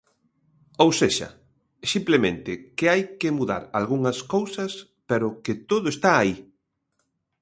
Ou sexa, simplemente, que hai que mudar algunhas cousas, pero que todo está aí.